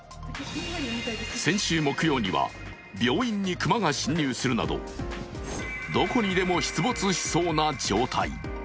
先週木曜には病院に熊が侵入するなどどこにでも出没しそうな状態。